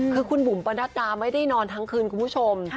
คือคุณบุ๋มประนัดดาไม่ได้นอนทั้งคืนคุณผู้ชม